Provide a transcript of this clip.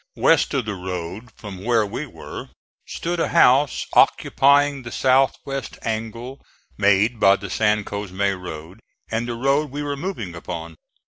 West of the road from where we were, stood a house occupying the south west angle made by the San Cosme road and the road we were moving upon.